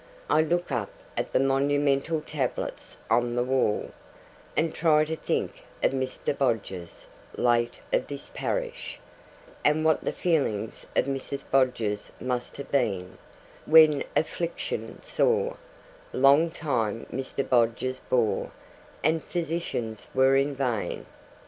I look up at the monumental tablets on the wall, and try to think of Mr. Bodgers late of this parish, and what the feelings of Mrs. Bodgers must have been, when affliction sore, long time Mr. Bodgers bore, and physicians were in vain.